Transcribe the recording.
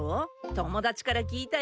友達から聞いたよ。